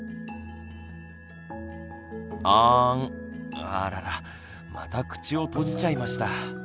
あららまた口を閉じちゃいました。